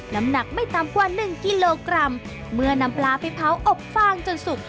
น้ำหนักไม่ต่ำกว่าหนึ่งกิโลกรัมเมื่อนำปลาไปเผาอบฟางจนสุก